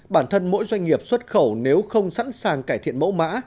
bản thân mỗi doanh nghiệp xuất khẩu nếu không sẵn sàng cải thiện mẫu mã